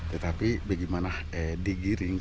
tetapi bagaimana digini